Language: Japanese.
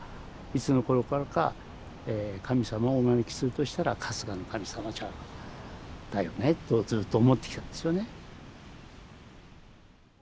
いつの頃からか神様をお招きするとしたら春日の神様だよねとずっと思ってきたんですよね。